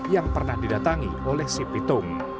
yang pernah didatangi oleh si pitung